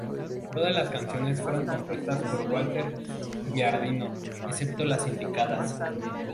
Todas las canciones fueron compuestas por Walter Giardino, excepto las indicadas.